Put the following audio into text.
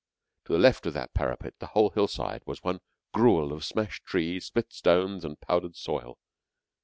To the left of that parapet the whole hillside was one gruel of smashed trees, split stones, and powdered soil.